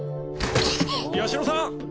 八尋さん！